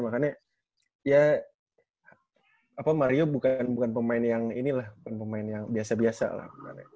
makanya ya mario bukan pemain yang ini lah bukan pemain yang biasa biasa lah